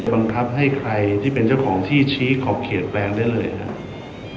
บังคับให้ใครที่เป็นเจ้าของที่ชี้ขอบเขตแปลงได้เลยนะครับ